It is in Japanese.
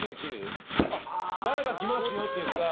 誰が来ますよっていうか。